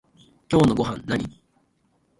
今日のごはんなに？